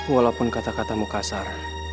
walaupun kata katamu kasar